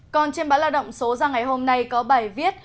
còn trên báo lao động số ra ngày hôm nay có bài viết